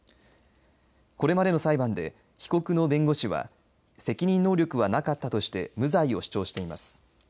これまでの裁判で被告の弁護士は責任能力はなかったとして無罪を主張しています。